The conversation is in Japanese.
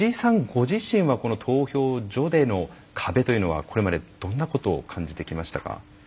ご自身はこの投票所での壁というのはこれまでどんなことを感じてきましたか？